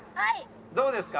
どうですか？